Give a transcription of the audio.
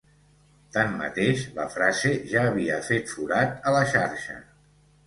Tanmateix, la frase ja havia fet forat a la xarxa.